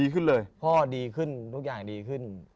เพราะดีขึ้นทุกอย่างดีขึ้น